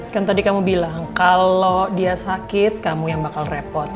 kan tadi kamu bilang kalau dia sakit kamu yang bakal repot